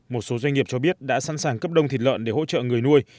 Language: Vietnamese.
một số doanh nghiệp cho biết đã sẵn sàng cấp đông thịt lợn để hỗ trợ người nuôi